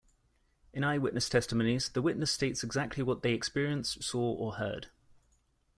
In eye-witness testimonies the witness states exactly what they experienced, saw, or heard.